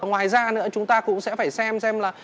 ngoài ra nữa chúng ta cũng sẽ phải xem xem là